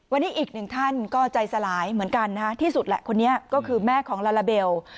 วันนี้อีกหนึ่งท่านก็ใจสลายเหมือนกันที่สุดแหละคนนี้ก็คือแม่ของลาลาเบล